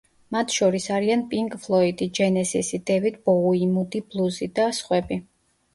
მათ შორის არიან პინკ ფლოიდი, ჯენესისი, დევიდ ბოუი, მუდი ბლუზი და სხვები.